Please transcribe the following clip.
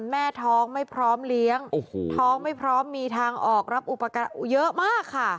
แม่ท้องไม่พร้อมเลี้ยงท้องไม่พร้อมมีทางออกรับอุปการณ์เยอะมากค่ะ